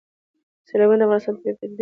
سیلابونه د افغانستان د طبیعي پدیدو یو رنګ دی.